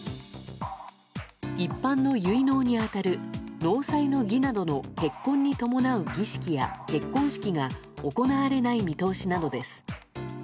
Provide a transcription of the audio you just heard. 一般の結納に当たる納采の儀などの結婚に伴う儀式や結婚式が行われない見通しなのです。